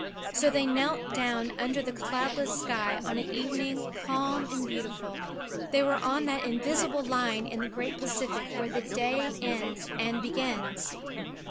So they knelt down under the cloudless sky on an evening calm and beautiful. They were on that invisible line in the Great Pacific where the day ends and begins.